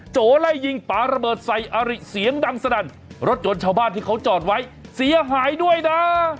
โจไล่ยิงปลาระเบิดใส่อาริเสียงดังสนั่นรถยนต์ชาวบ้านที่เขาจอดไว้เสียหายด้วยนะ